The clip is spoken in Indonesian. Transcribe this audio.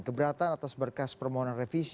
keberatan atas berkas permohonan revisi